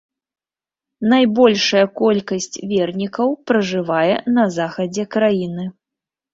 Найбольшая колькасць вернікаў пражывае на захадзе краіны.